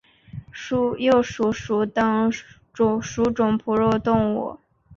鼢鼠属等数种哺乳动物。